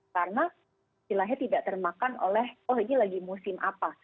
karena silahnya tidak termakan oleh oh ini lagi musim apa